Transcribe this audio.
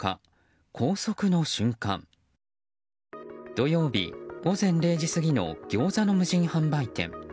土曜日午前０時過ぎのギョーザの無人販売店。